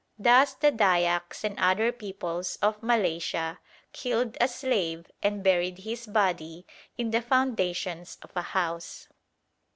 Thus the Dyaks and other peoples of Malaysia killed a slave and buried his body in the foundations of a house.